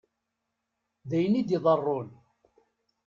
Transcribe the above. D ayen i d-iḍeṛṛun.